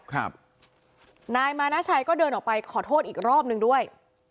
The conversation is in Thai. นายมานาชัยก็เดินออกไปขอโทษอีกรอบหนึ่งด้วย